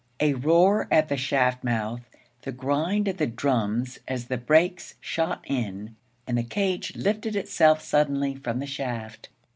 A roar at the shaft mouth, the grind of the drums as the brakes shot in, and the cage lifted itself suddenly from the shaft.